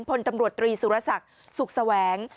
พลตำรวจตรีสุรศักดิ์สุขแสวง